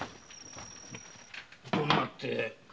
どんなって。